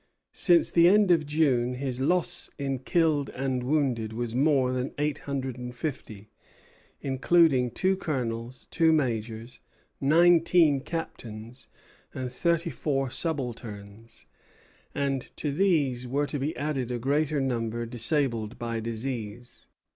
Since the end of June his loss in killed and wounded was more than eight hundred and fifty, including two colonels, two majors, nineteen captains, and thirty four subalterns; and to these were to be added a greater number disabled by disease.